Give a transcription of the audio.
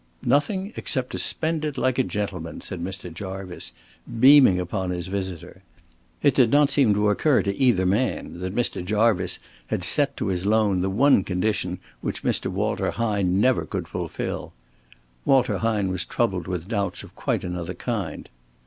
"Nothing, except to spend it like a gentleman," said Mr. Jarvice, beaming upon his visitor. It did not seem to occur to either man that Mr. Jarvice had set to his loan the one condition which Mr. Walter Hine never could fulfil. Walter Hine was troubled with doubts of quite another kind.